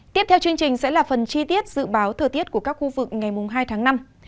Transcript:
tiếp theo là phần chi tiết dự báo thờ tiết của các khu vực ngày hai tháng năm